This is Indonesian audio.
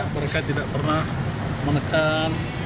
mereka tidak pernah menekan